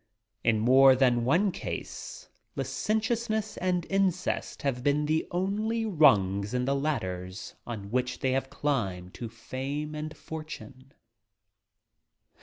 In more than one case licentiousness and incest have been the only rungs in the lad ders on which they have climbed to fame and fortune!